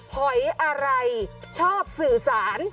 หอยอะไรชอบสื่อสาร